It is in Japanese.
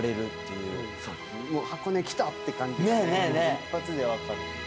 ・一発で分かる。